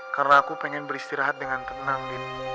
karena aku pengen beristirahat dengan tenang